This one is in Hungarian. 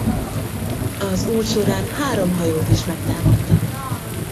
Az út során három hajót is megtámadtak.